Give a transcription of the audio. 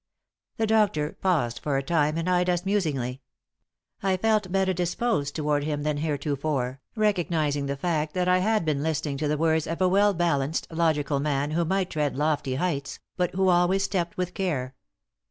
The doctor paused for a time and eyed us musingly. I felt better disposed toward him than heretofore, recognizing the fact that I had been listening to the words of a well balanced, logical man who might tread lofty heights, but who always stepped with care.